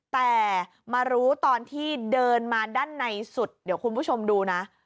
แต่มารู้ตอนที่เดินมาด้านในสุดเดี๋ยวคุณผู้ชมดูนะ